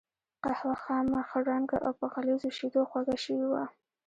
قهوه خامه، خړ رنګه او په غليظو شیدو خوږه شوې وه.